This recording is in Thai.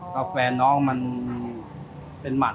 กับแฟนน้องมันเป็นหมั่น